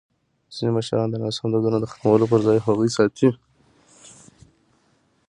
ځینې مشران د ناسم دودونو د ختمولو پر ځای هغوی ساتي.